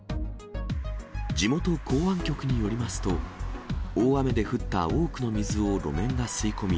地元公安局によりますと、大雨で降った多くの水を路面が吸い込み、